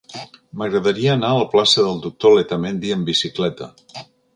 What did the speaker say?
M'agradaria anar a la plaça del Doctor Letamendi amb bicicleta.